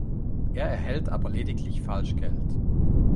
Er erhält aber lediglich Falschgeld.